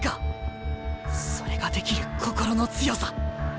それができる心の強さ！